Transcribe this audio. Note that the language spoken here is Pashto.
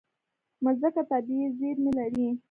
مځکه طبیعي زیرمې لري.